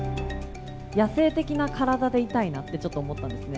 野性的な体でいたいなってちょっと思ったんですね。